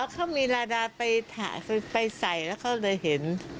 เขามีลาดาไปถ่ายไปใส่แล้วเขาเลยเห็น